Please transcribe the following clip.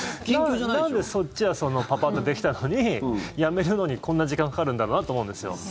なんでそっちはパパッとできたのにやめるのにこんなに時間かかるんだろうなと思うんですよ。